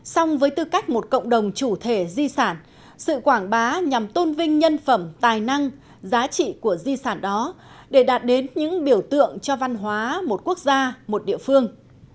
xong với tư cách một cộng đồng chủ thể di sản sự quảng bá nhằm tôn vinh nhân phẩm tài năng giá trị của di sản đó để đạt đến những biểu tượng cho văn hóa một quốc gia một địa phương